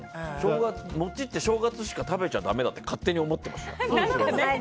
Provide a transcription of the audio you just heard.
餅って正月しか食べちゃだめだって勝手に思ってました。